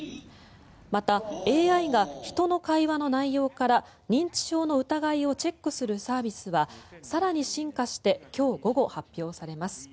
また、ＡＩが人の会話の内容から認知症の疑いをチェックするサービスは更に進化して今日午後、発表されます。